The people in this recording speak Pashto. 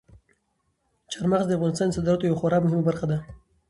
چار مغز د افغانستان د صادراتو یوه خورا مهمه برخه ده.